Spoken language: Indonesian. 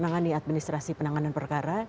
menangani administrasi penanganan perkara